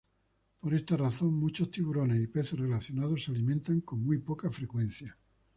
Por esta razón, muchos tiburones y peces relacionados se alimentan con muy poca frecuencia.